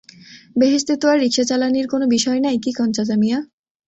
বেহেশতে তো আর রিকশা চালানির কোনো বিষয় নাই, কি কন চাচামিয়া?